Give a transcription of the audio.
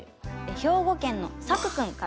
兵庫県のさくくんから。